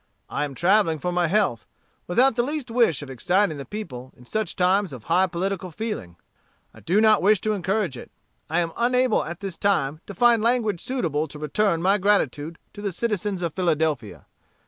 I am travelling for my health, without the least wish of exciting the people in such times of high political feeling. I do not wish to encourage it. I am unable at this time to find language suitable to return my gratitude to the citizens of Philadelphia.